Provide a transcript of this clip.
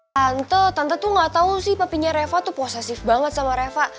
tante tante tuh gatau sih papinya reva tuh posesif banget sama reva